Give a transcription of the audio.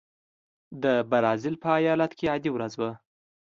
د برازیل په ایالت کې عادي ورځ وه.